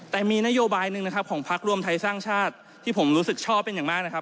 แต่มีนโยบายหนึ่งของภักษ์ร่วมไทยสร้างชาติที่ผมรู้สึกชอบเป็นอย่างมาก